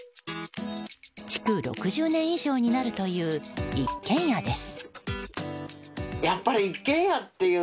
築６０年以上になるという一軒家です。